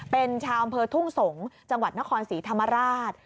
เป็นชาวอำเภอทุ่งสงศ์จังหวัดนครศรีธรรมราช